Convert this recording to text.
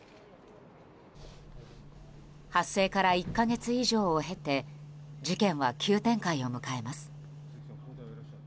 発生から１か月以上を経て事件は急展開を迎えます。